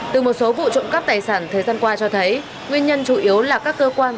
từ một số vụ trộm cắp tài sản thời gian qua cho thấy nguyên nhân chủ yếu là các cơ quan